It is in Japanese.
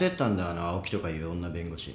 あの青木とかいう女弁護士。